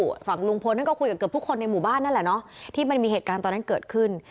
ก็ฟังลุงพลทั้งคู่กับทุกคนในหมู่บ้านนั่นแหละนะที่มันมีเหตุการณ์ตอนนั้นเกิดขึ้น